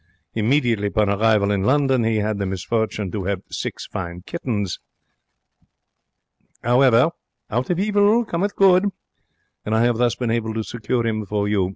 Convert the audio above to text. Immediately upon arrival in London, he had the misfortune to 'ave six fine kittens. 'Owever, out of evil cometh good, and I have thus been able to secure 'im for you.